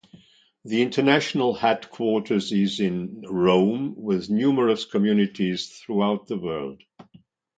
The international headquarters is in Rome with numerous communities throughout the world.